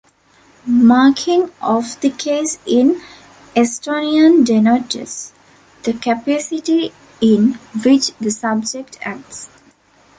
Marking of the case in Estonian denotes the capacity in which the subject acts.